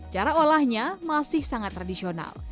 cara olahnya masih sangat tradisional